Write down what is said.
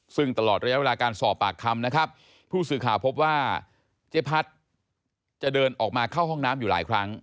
ซึ่งตลอดระยะเวลาการสอบปากคำนะครับผู้สื่อข่าวพบว่าเจ๊พัดจะเดินออกมาเข้าห้องน้ำอยู่หลายครั้ง